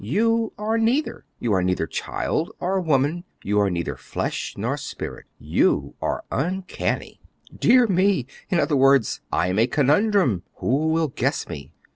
"You are neither; you are neither child or woman; you are neither flesh nor spirit; you are uncanny." "Dear me! In other words, I am a conundrum. Who will guess me?"